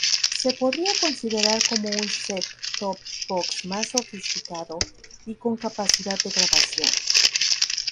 Se podría considerar como un set-top box más sofisticado y con capacidad de grabación.